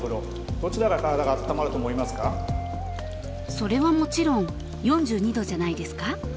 それはもちろん４２度じゃないですか？